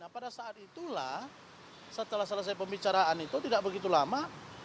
pada saat itulah setelah selesai pembicaraan itu tidak begitu lama